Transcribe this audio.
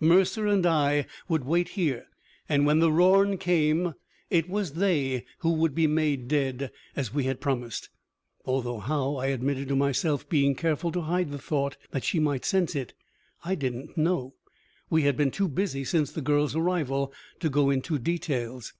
Mercer and I would wait here, and when the Rorn came, it was they who would be made dead, as we had promised. Although how, I admitted to myself, being careful to hide the thought that she might not sense it, I didn't know. We had been too busy since the girl's arrival to go into details.